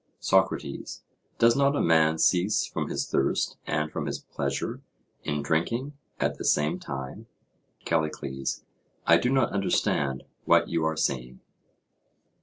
SOCRATES: Does not a man cease from his thirst and from his pleasure in drinking at the same time? CALLICLES: I do not understand what you are saying.